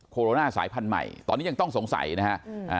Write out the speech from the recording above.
โรนาสายพันธุ์ใหม่ตอนนี้ยังต้องสงสัยนะฮะ